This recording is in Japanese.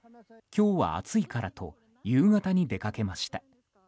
今日は暑いからと夕方に出かけました。